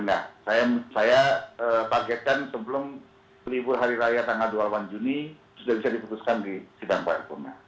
nah saya targetkan sebelum libur hari raya tanggal dua puluh delapan juni sudah bisa diputuskan di sidang paripurna